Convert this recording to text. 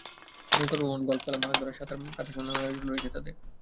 নৌকা ভ্রমণ, গলফ খেলা, মাছধরা, সাঁতার কাটাসহ নানা আয়োজন রয়েছে তাদের।